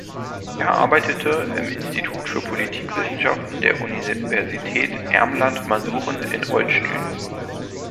Er arbeitete im Institut für Politikwissenschaften der Universität Ermland-Masuren in Olsztyn.